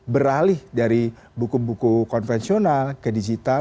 beralih dari buku buku konvensional ke digital